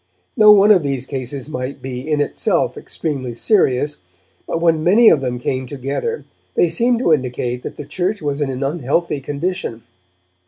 No one of these cases might be in itself extremely serious, but when many of them came together they seemed to indicate that the church was in an unhealthy condition.